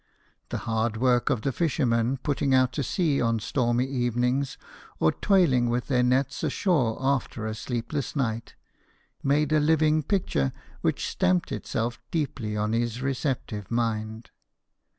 The hard work of the fishermen putting out to sea on stormy evenings, or toiling with their nets ashore after a sleepless night, made a living picture which stamped itself deeply on his receptive mind.